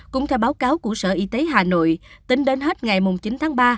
cũng theo báo cáo của sở y tế hà nội tính đến hết ngày chín tháng ba